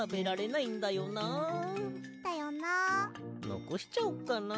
のこしちゃおうかな。